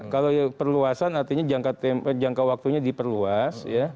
kalau perluasan artinya jangka waktunya diperluas